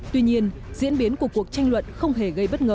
tuy nhiên diễn biến của cuộc tranh luận không hề gây bất ngờ